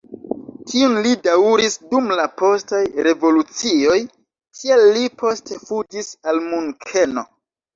Tiun li daŭris dum la postaj revolucioj, tial li poste fuĝis al Munkeno.